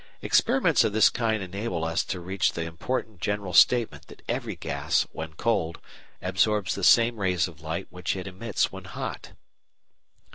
Experiments of this kind enable us to reach the important general statement that every gas, when cold, absorbs the same rays of light which it emits when hot.